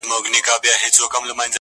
تاریخي ودانۍ سیلانیان جذبوي